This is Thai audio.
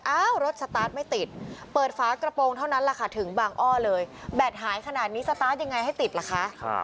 รถสตาร์ทไม่ติดเปิดฝากระโปรงเท่านั้นแหละค่ะถึงบางอ้อเลยแบตหายขนาดนี้สตาร์ทยังไงให้ติดล่ะคะ